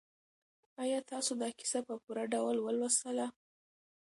آیا تاسو دا کیسه په پوره ډول ولوستله؟